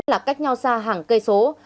là cách nhau xa hàng cây số